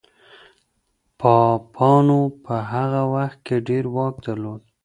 پاپانو په هغه وخت کي ډېر واک درلود.